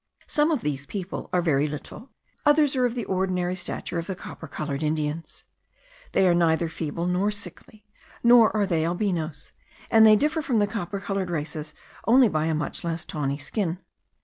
Some of these people are very little, others are of the ordinary stature of the copper coloured Indians. They are neither feeble nor sickly, nor are they albinos; and they differ from the copper coloured races only by a much less tawny skin.